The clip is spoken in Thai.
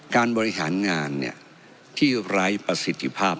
การบริหารงานที่ไร้ประสิทธิภาพ